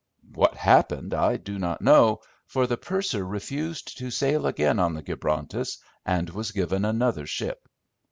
What happened I do not know, for the purser refused to sail again on the Gibrontus, and was given another ship.